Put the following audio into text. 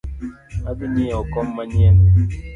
Adhi nyieo kom manyien